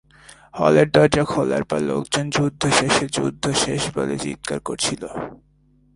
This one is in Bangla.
হলের দরজা খোলার পর লোকজন যুদ্ধ শেষে, যুদ্ধ শেষ বলে চিৎকার করছিল।